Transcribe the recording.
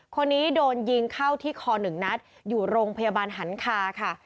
คนนี้โดนยิงเข้าที่คอหนึ่งนัดอยู่โรงพยาบาลหันคาค่ะ